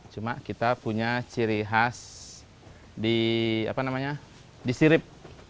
cuma kita punya ciri khas di sirip